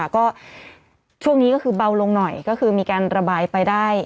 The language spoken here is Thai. ก็ช่วงนี้ก็คือเบาลงหน่อยก็คือมีการระบายไปได้